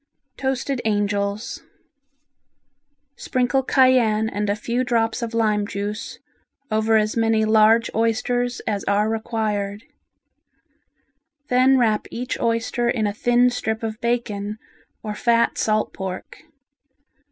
Toasted Angels Sprinkle cayenne and a few drops of lime juice over as many large oysters as are required, then wrap each oyster in a thin strip of bacon or fat salt pork.